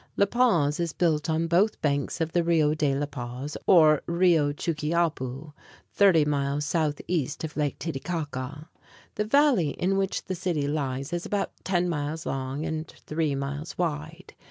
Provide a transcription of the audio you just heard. La Paz is built on both banks of the Rio de La Paz, or Rio Chuquiapu, thirty miles southeast of Lake Titicaca. The valley in which the city lies is about ten miles long and three miles wide.